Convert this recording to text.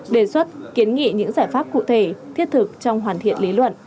đề xuất kiến nghị những giải pháp cụ thể thiết thực trong hoàn thiện lý luận